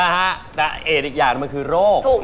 นะฮะแต่เอกอีกอย่างมันคือโรค